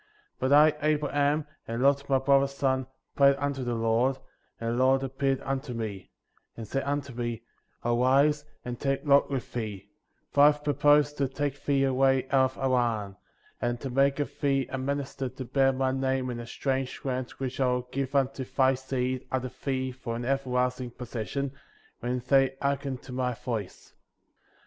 6. But I, Abraham, and Lot, my brother's son, prayed unto the Lord, and the Lord appeared unto me, and said unto me:^ Arise, and take Lot with thee; for I have purposed to take thee away out of Haran,* and to make of thee a minister to bear my name in a strange land which I will give unto thy seed after thee for an everlasting possession, when they hearken to my voice.